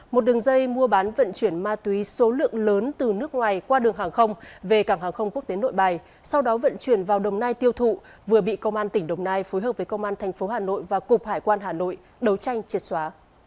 một đường dây mua bán vận chuyển ma túy số lượng lớn từ nước ngoài qua đường hàng không về cảng hàng không quốc tế nội bài sau đó vận chuyển vào đồng nai tiêu thụ vừa bị công an tỉnh đồng nai phối hợp với công an tp hà nội và cục hải quan hà nội đấu tranh triệt xóa